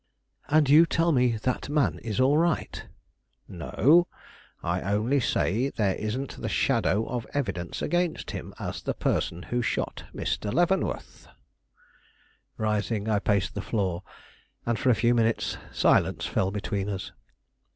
"And you tell me that man is all right?" "No; I only say there isn't the shadow of evidence against him as the person who shot Mr. Leavenworth." Rising, I paced the floor, and for a few minutes silence fell between us.